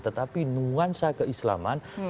tetapi nuansa keislaman